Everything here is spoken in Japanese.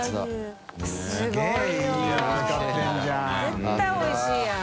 絶対おいしいやん。